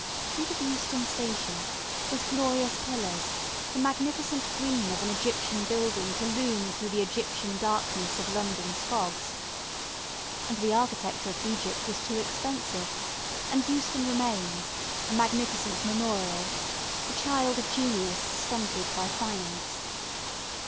Think of Euston Station: those glorious pillars, the magnificent dream of an Egyptian building to loom through the Egyptian darkness of London's fogs. And the architecture of Egypt was too expensive, and Euston remains, a magnificent memorial the child of genius stunted by finance.